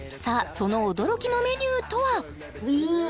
その驚きのメニューとは？